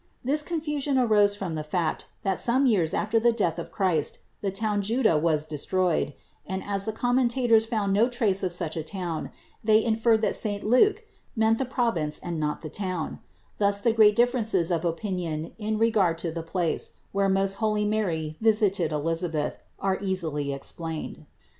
This confusion arose from the fact that some years after the death of Christ the town Juda was de stroyed, and, as the commentators found no trace of such a town, they inferred that saint Luke meant the province and not a town; thus the great differences of opinion in regard to the place, where most holy Mary visited Elisabeth, are easily explained.